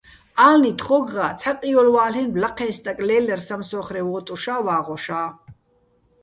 ა́ლნი თხო́გღა ცჰ̦ა ყიოლვა́ლ'ენო̆ ლაჴეჼ სტაკ ლე́ლერ სამსო́ხრე ვოტუშა́, ვაღოშა́.